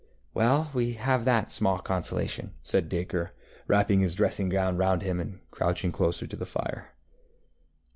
ŌĆØ ŌĆ£Well, we have that small consolation, ŌĆØ said Dacre, wrapping his dressing gown round him and crouching closer to the fire.